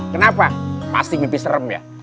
kenapa pasti mimpi serem ya